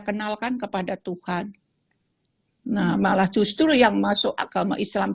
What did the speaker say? kenalkan kepada tuhan nah malah justru yang masuk agama islam